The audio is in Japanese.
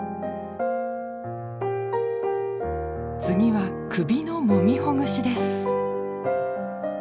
次は首のもみほぐしです。